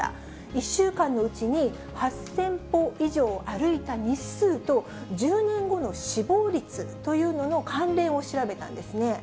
１週間のうちに８０００歩以上歩いた日数と、１０年後の死亡率というのの関連を調べたんですね。